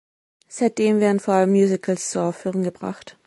Seitdem werden vor allem Musicals zur Aufführung gebracht.